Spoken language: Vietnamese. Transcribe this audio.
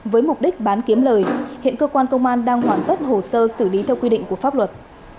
với mục đích bán kiếm lời hiện cơ quan công an đang hoàn tất hồ sơ xử lý theo quy định của pháp luật